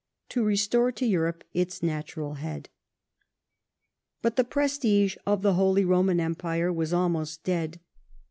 to restore to Europe its natural head. But the prestige of the Holy Eoman Empire Avas almost dead.